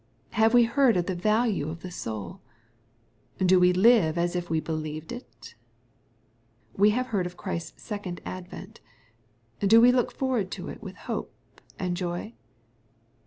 — We have heard of the value of the souL Do we live as if we believed it ?— We have heard of Christ's second advent. Do we look forward to it with hope and joy